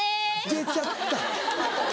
出ちゃった！